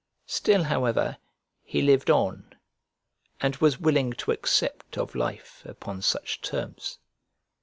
Still, however, he lived on, and was willing to accept of life upon such terms.